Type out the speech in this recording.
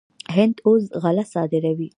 هند اوس غله صادروي.